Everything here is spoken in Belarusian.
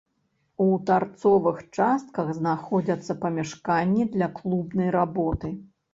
У тарцовых частках знаходзяцца памяшканні для клубнай работы.